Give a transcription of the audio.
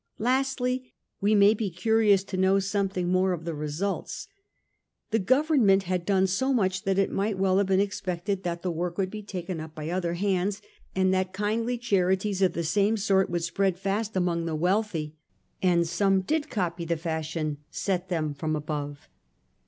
Lastly, we may be curious to know something more of the results. The government had done so much that Others act might well have been expected that the in a like work would be taken up by other hands, and spirit. kindly charities of the same sort would spread fast among the wealthy. And some did copy the fashion set them from above.